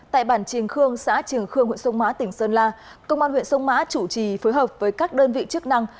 tại bản trường khương xã trường khương huyện sông mã tỉnh sơn la công an huyện sông mã chủ trì phối hợp với các đơn vị chức năng